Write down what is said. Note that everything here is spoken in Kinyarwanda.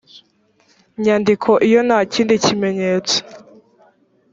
nyandiko iyo nta kindi kimenyetso